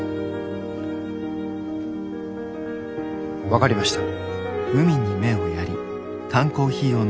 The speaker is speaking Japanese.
分かりました。